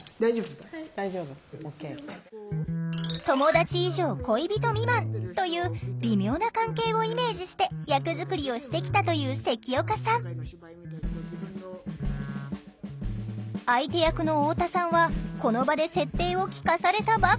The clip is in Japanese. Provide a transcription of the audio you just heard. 友達以上恋人未満という微妙な関係をイメージして役作りをしてきたという関岡さん相手役の太田さんはこの場で設定を聞かされたばかり。